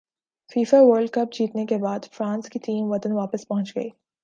FIFA World Cup جیتنے کے بعد فرانس کی ٹیم وطن واپس پہنچ گئی